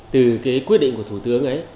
từ quyết định của thủ tướng